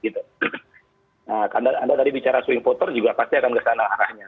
nah karena anda tadi bicara suing voter juga pasti akan mendesak arahnya